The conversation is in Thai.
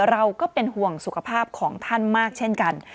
เราก็เป็นห่วงสุขภาพของท่านมากเช่นกัน